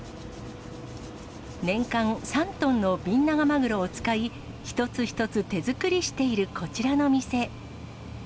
年間３トンのビンナガマグロを使い、一つ一つ手作りしているこちらの店。